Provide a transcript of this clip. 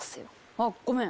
あっごめん。